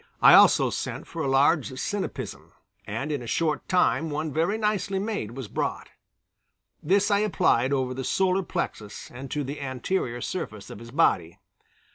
I also sent for a large sinapism and in a short time one very nicely made was brought. This I applied over the solar plexus and to the anterior surface of his body.